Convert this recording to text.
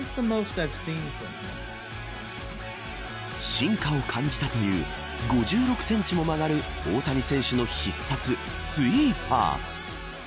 進化を感じたという５６センチも曲がる大谷選手の必殺スイーパー。